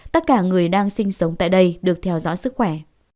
tất cả người đang sinh sống tại đây được theo dõi sức khỏe